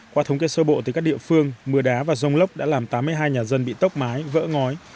qua thống kê sơ bộ từ các địa phương mưa đá và rông lốc đã làm tám mươi hai nhà dân bị tốc mái vỡ ngói